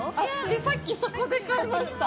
さっき、そこで買いました。